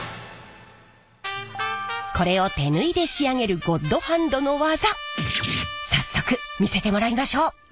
これを手縫いで仕上げるゴッドハンドの技早速見せてもらいましょう！